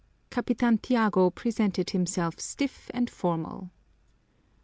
Capitan Tiago presented himself stiff and formal.